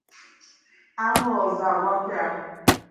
a hụ ọzọ agwakwa ya